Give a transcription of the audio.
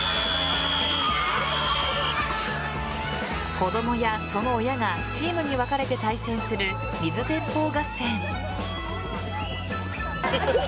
子供や、その親がチームに分かれて対戦する水鉄砲合戦。